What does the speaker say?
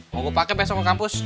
mau gue pakai besok ke kampus